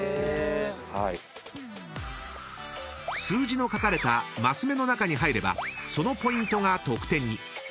［数字の書かれた升目の中に入ればそのポイントが得点に］